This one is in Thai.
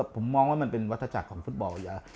ผมมองว่ามันเป็นวัตถจักรของฟุตบอลอยู่แล้ว